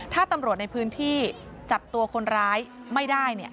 ถ้าตำรวจในพื้นที่จับตัวคนร้ายไม่ได้